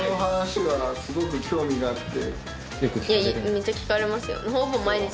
めっちゃ聞かれますよ。